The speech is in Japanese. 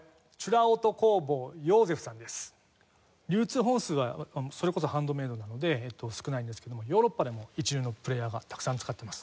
流通本数はそれこそハンドメイドなので少ないんですけどもヨーロッパでも一流のプレーヤーがたくさん使ってます。